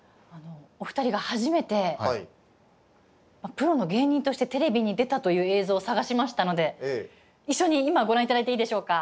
プロの芸人としてテレビに出たという映像を探しましたので一緒に今ご覧頂いていいでしょうか？